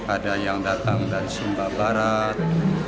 ada yang datang dari sumba barat